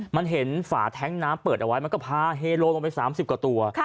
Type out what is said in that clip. มันเห็นฝาแท้งน้ำเปิดเอาไว้มันก็พาเฮโลลงไป๓๐กว่าตัว